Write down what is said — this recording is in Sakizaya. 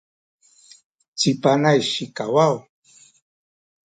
ci Panay sikawaw